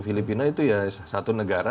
filipina itu ya satu negara